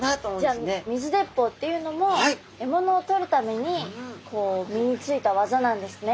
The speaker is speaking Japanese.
じゃあ水鉄砲っていうのも獲物をとるために身についたわざなんですね。